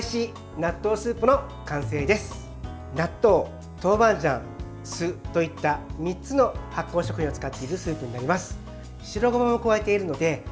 納豆、トーバンジャン酢といった３つの発酵食品を使っているスープになります。